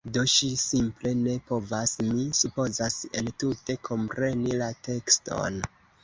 Do, ŝi simple ne povas... mi supozas entute kompreni la tekston